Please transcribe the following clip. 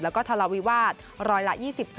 แล้วก็ทะเลาวิวาสร้อยละ๒๗